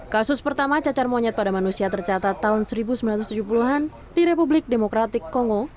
kasus pertama cacar monyet pada manusia tercatat tahun seribu sembilan ratus tujuh puluh an di republik demokratik kongo